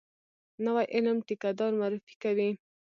نوی علم ټیکه دار معرفي کوي.